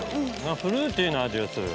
フルーティーな味がする。